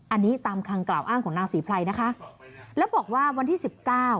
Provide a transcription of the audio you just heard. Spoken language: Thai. อันนี้ตามคำกล่าวอ้างของนางศรีไพรนะคะแล้วบอกว่าวันที่สิบเก้า